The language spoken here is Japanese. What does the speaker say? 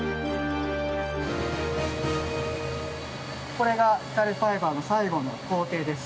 これが光ファイバーの最後の工程です。